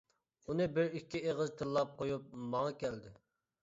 ئۇنى بىر ئىككى ئېغىز تىللاپ قۇيۇپ ماڭا كەلدى.